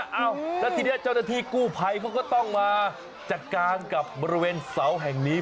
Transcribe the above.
เอ้าแล้วทีนี้เจ้าหน้าที่กู้ภัยเขาก็ต้องมาจัดการกับบริเวณเสาแห่งนี้